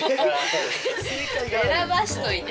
選ばしといて！